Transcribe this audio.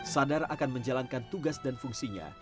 sadar akan menjalankan tugas dan fungsinya